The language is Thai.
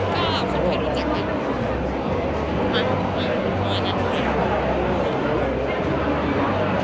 ขอบคุณภาษาให้ด้วยเนี่ย